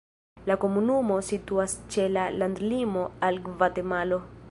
La komunumo situas ĉe la landlimo al Gvatemalo.